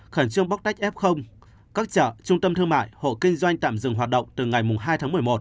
khẩn trương bóc tách f các chợ trung tâm thương mại hộ kinh doanh tạm dừng hoạt động từ ngày hai tháng một mươi một